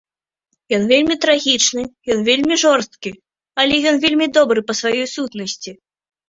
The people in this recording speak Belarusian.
Ён вельмі трагічны, ён вельмі жорсткі, але ён вельмі добры па сваёй сутнасці.